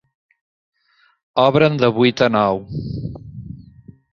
Obren de vuit a nou.